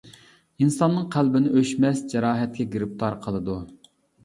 ئىنساننىڭ قەلبىنى ئۆچمەس جاراھەتكە گىرىپتار قىلىدۇ.